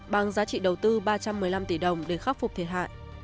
bằng giá trị đầu tư ba trăm một mươi năm tỷ đồng để khắc phục thiệt hại